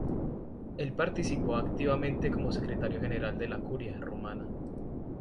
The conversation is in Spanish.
Él participó activamente como secretario general de la Curia Romana.